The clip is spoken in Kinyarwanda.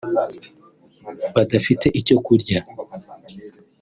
badafite icyo kurya